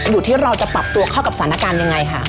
อยู่ที่เราจะปรับตัวเข้ากับสถานการณ์ยังไงค่ะ